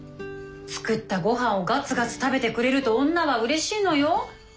作ったごはんをガツガツ食べてくれると女はうれしいのよ。